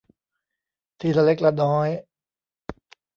ทีละเล็กละน้อย